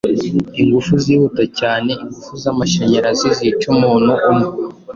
ingufu zihuta cyane, ingufu z’amasharazi zica umuntu umwe